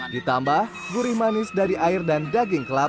ditambah gurih manis dari air dan daging kelapa